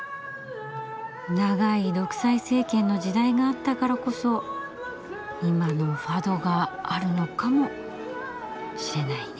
・長い独裁政権の時代があったからこそ今のファドがあるのかもしれないね。